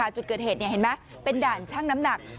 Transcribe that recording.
จุดเกิดเหตุเห็นไหมเป็นด่านช่างน้ำหนัก